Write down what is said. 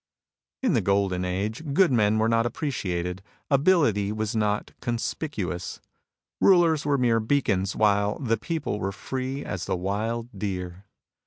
In the Golden Age good men were not appre ciated ; ability was not conspicuous. Rulers were mere beacons, while the people were free as the wild deer.